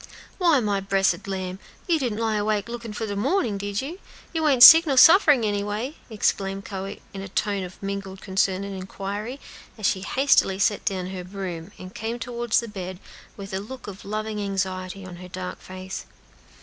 "Why, my bressed lamb, you didn't lie awake lookin' for de mornin', did you? You ain't sick, nor sufferin' any way?" exclaimed Chloe, in a tone of mingled concern and inquiry, as she hastily set down her broom, and came toward the bed, with a look of loving anxiety on her dark face.